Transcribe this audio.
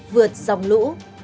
vượt dòng lũ